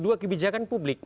dua kebijakan publik